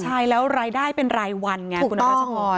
ใช่แล้วรายได้เป็นรายวันถูกต้อง